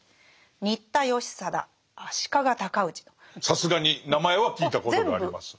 さすがに名前は聞いたことがあります。